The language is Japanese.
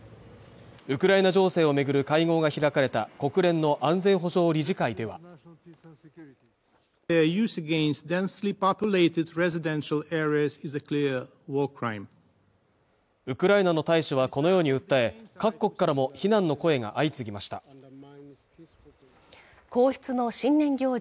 ウクライナ情勢を巡る会合が開かれた国連の安全保障理事会ではウクライナの大使はこのように訴え各国からも非難の声が相次ぎました皇室の新年行事